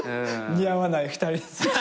似合わない２人。